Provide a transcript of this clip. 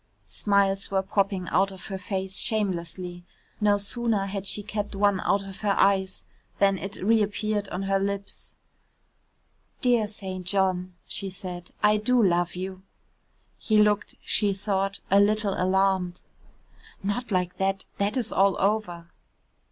Smiles were popping out of her face shamelessly. No sooner had she kept one out of her eyes than it reappeared on her lips. "Dear St. John," she said, "I do love you." He looked, she thought, a little alarmed. "Not like that, that is all over."